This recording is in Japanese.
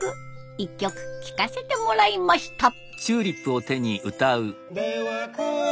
一曲聴かせてもらいました。